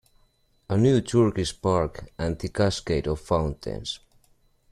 A new Turkish Park and the cascade of fountains.